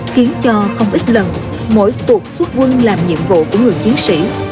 khiến cho không ít lần mỗi cuộc xuất quân làm nhiệm vụ của người chiến sĩ